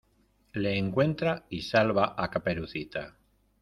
le encuentra y salva a Caperucita.